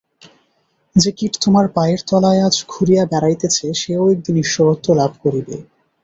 যে কীট তোমার পায়ের তলায় আজ ঘুরিয়া বেড়াইতেছে, সেও একদিন ঈশ্বরত্ব লাভ করিবে।